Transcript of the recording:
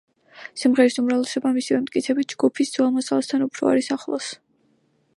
სიმღერის უმრავლესობა, მისივე მტკიცებით, ჯგუფის ძველ მასალასთან უფრო არის ახლოს.